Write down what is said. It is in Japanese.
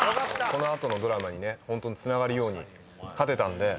この後のドラマにねつながるように勝てたんで。